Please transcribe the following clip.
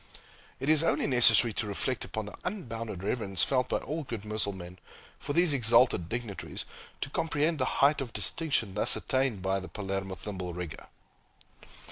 It is only necessary to reflect upon the unbounded reverence felt by all good Mussulmen for these exalted dignitaries, to comprehend the height of distinction thus attained by the Palermo thimble rigger.